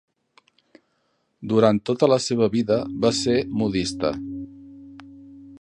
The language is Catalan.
Durant tota la seva vida va ser modista.